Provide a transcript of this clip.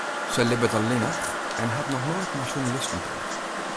Sy libbet allinnich en hat noch noait mei sjoernalisten praat.